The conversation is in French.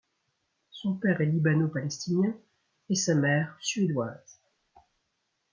Son père est libano-palestinien et sa mère suédoise.